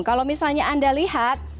kalau misalnya anda lihat